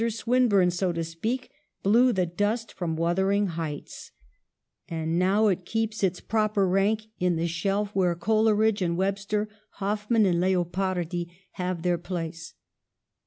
Swinburne, so to speak, blew the dust from ' Wuthering Heights ;' and now it keeps its proper rank in the shelf where Coleridge and Webster, Hoffmann and Leopardi, have their place.